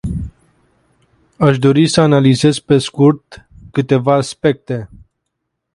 Aș dori să analizez pe scurt câteva aspecte.